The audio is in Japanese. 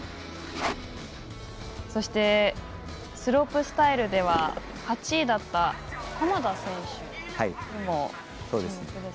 そしてスロープスタイルでは８位だった浜田選手にも注目ですね。